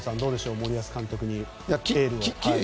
森保監督にエールを。